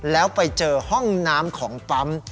แล้วไปเจอห้องน้ำของปั๊ม